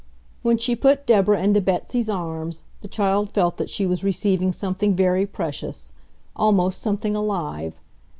When she put Deborah into Betsy's arms, the child felt that she was receiving something very precious, almost something alive.